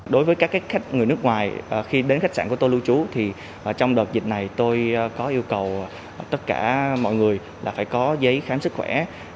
đối với các khách người nước ngoài khi đến khách sạn của tôi lưu trú thì trong đợt dịch này tôi có yêu cầu tất cả mọi người là phải có giấy khám sức khỏe